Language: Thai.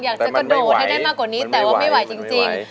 แต่ว่าไม่ไหวจริง